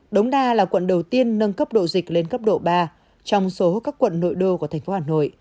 đống đa là quận đầu tiên nâng cấp độ dịch lên cấp độ ba trong số các quận nội đô của thành phố hà nội